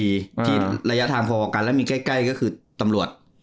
ที่ระยะทางพอกันและมีใกล้ก็คือตำรวจ